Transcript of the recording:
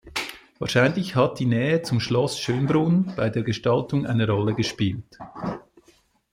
Wahrscheinlich hat die Nähe zu Schloss Schönbrunn bei der Gestaltung eine Rolle gespielt.